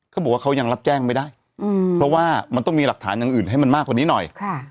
เขาบอกว่าเขายังรับแจ้งไม่ได้เพราะว่ามันต้องมีหลักฐานอย่างอื่นให้มันมากกว่านี้หน่อย